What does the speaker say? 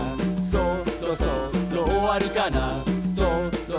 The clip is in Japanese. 「そろそろおわりかな」